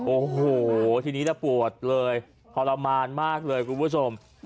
โอ้โหทีนี้แล้วปวดเลยทรมานมากเลยคุณผู้ชม